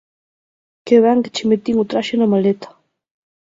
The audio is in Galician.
Que ben que che metín o traxe na maleta.